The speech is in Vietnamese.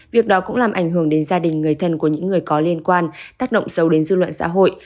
việc đó cũng làm ảnh hưởng đến gia đình người thân của những người có liên quan tác động sâu đến dư luận xã hội